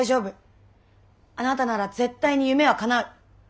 あなたなら絶対に夢はかなう。